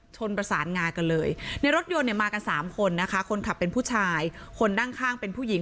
ชนประสานงากันเลยในรถยนต์เนี่ยมากันสามคนนะคะคนขับเป็นผู้ชายคนนั่งข้างเป็นผู้หญิง